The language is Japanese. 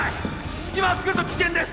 隙間をつくると危険です